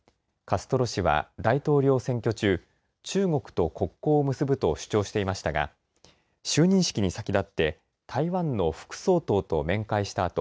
カストロ氏は大統領選挙中、中国と国交を結ぶと主張していましたが就任式に先立って台湾の副総統と面会した